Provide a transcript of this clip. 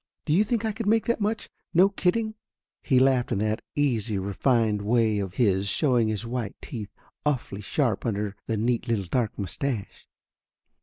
Do you think I could make that much, no kidding?" He laughed in that easy, refined way of his, showing his white teeth, awfully sharp under the neat little dark mustache.